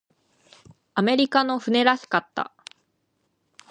アメリカの船らしかった。